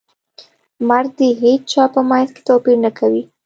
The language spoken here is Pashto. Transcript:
مرګ د هیچا په منځ کې توپیر نه کوي.